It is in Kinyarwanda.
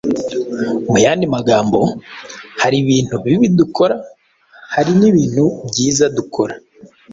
Mu yandi magambo, hari ibintu bibi dukora, hari n’ibintu byiza tudakora.